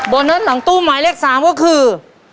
โบนัสหลังตู้หมายเลข๓ก็คือ